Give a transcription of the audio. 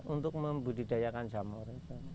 untuk membudidayakan jamur